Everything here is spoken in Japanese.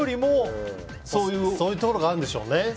そういうところがあるんでしょうね。